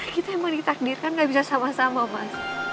kita emang ditakdirkan gak bisa sama sama mas